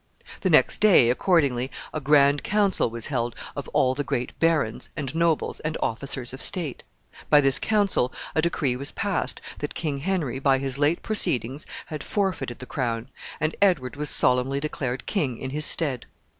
The next day, accordingly, a grand council was held of all the great barons, and nobles, and officers of state. By this council a decree was passed that King Henry, by his late proceedings, had forfeited the crown, and Edward was solemnly declared king in his stead.